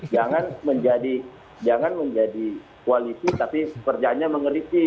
jangan menjadi jangan menjadi koalisi tapi perjahannya mengeriki